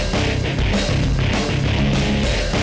terima kasih om rika